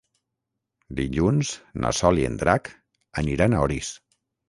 Dilluns na Sol i en Drac aniran a Orís.